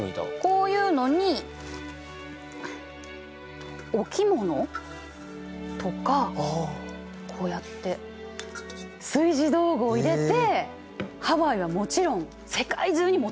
こういうのにお着物とかこうやって炊事道具を入れてハワイはもちろん世界中に持っていったの。